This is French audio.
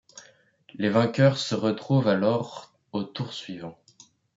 Les vainqueurs se retrouvent alors au tour suivant.